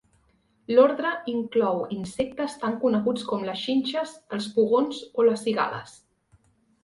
L'ordre inclou insectes tan coneguts com les xinxes, els pugons o les cigales.